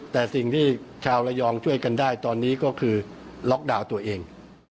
แต่สิ่งที่ชาวระยองช่วยกันได้ตอนนี้ก็คือล็อกดาวน์ตัวเอง